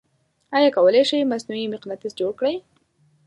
آیا کولی شئ مصنوعې مقناطیس جوړ کړئ؟